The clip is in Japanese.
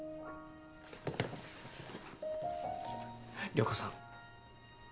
涼子さん。